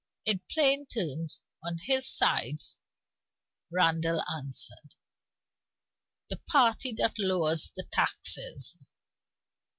In plain terms, on his sides Randal answered: "The party that lowers the taxes."